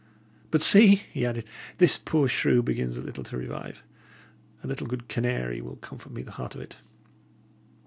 But see," he added, "this poor shrew begins a little to revive. A little good canary will comfort me the heart of it."